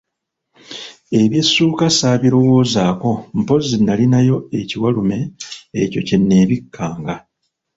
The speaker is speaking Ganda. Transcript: Eby'essuuka ssaabirowozaako mpozzi nalinayo ekiwalume, ekyo kye neebikkanga.